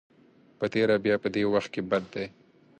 په تېره بیا په دې وخت کې بد دی.